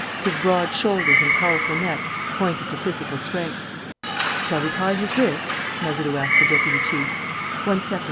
His broad shoulders and powerful neck pointed to physical strength. "Shall we tie his wrists?" Mazeroux asked the deputy chief. "One second.